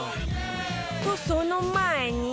とその前に